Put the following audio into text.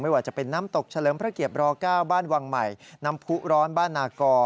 ว่าจะเป็นน้ำตกเฉลิมพระเกียร๙บ้านวังใหม่น้ำผู้ร้อนบ้านนากอ